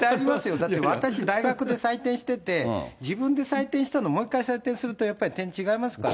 だって、私、大学で採点してて、自分で採点したの、もう一回採点すると、点違いますから。